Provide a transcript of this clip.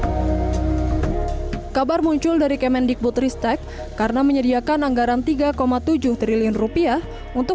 hai kabar muncul dari kemendikbut ristek karena menyediakan anggaran tiga tujuh triliun rupiah untuk